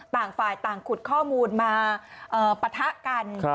ต่างฝ่ายต่างขุดข้อมูลมาปะทะกัน